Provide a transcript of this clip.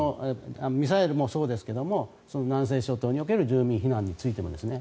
ミサイルもそうですが南西諸島における住民避難もですね。